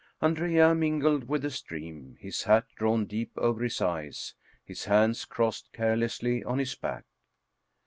Andrea mingled with the stream, his hat drawn deep over his eyes, his hands crossed carelessly on his back.